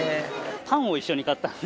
パンを一緒に買ったんで。